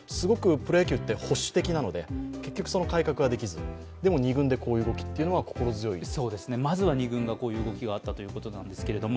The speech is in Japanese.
プロ野球は保守的なので、結局その改革ができず、でも、２軍でこういう動きというのは心強いです。